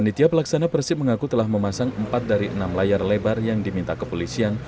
panitia pelaksana persib mengaku telah memasang empat dari enam layar lebar yang diminta kepolisian